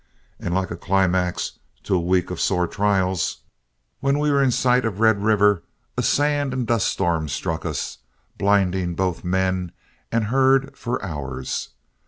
And like a climax to a week of sore trials, when we were in sight of Red River a sand and dust storm struck us, blinding both men and herd for hours.